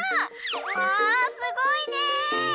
わあすごいねえ！